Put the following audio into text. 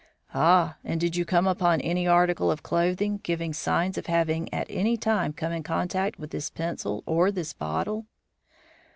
"Ah, and did you come upon any article of clothing giving signs of having at any time come in contact with this pencil or this bottle?"